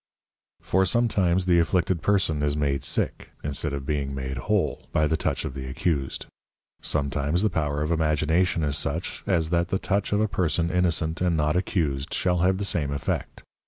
_ For sometimes the afflicted Person is made sick, (instead of being made whole) by the Touch of the Accused; sometimes the Power of Imagination is such, as that the Touch of a Person innocent and not accused shall have the same effect.